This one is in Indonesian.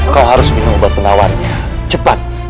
kau harus minum obat penawarnya cepat